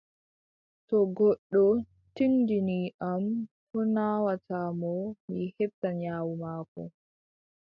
To goddo tinndini am ko naawata mo, mi heɓtan nyawu maako.